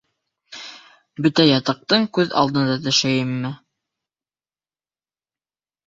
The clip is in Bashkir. Бөтә ятаҡтың күҙ алдында төшәйемме?